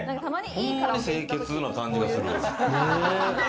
ほんまに清潔な感じがする。